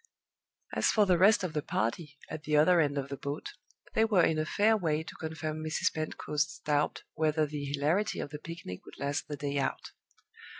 As for the rest of the party at the other end of the boat, they were in a fair way to confirm Mrs. Pentecost's doubts whether the hilarity of the picnic would last the day out.